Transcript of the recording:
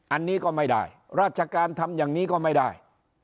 อันนี้ก็ไม่ได้ราชการทำอย่างนี้ก็ไม่ได้